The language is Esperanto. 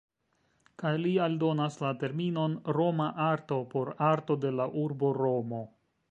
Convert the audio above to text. Kaj li aldonas la terminon "Roma arto", por arto de la urbo Romo.